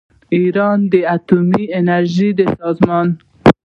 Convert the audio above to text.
ایران د اتومي انرژۍ د سازمان